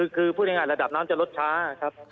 คือพูดง่ายระดับน้ำจะลดช้าครับ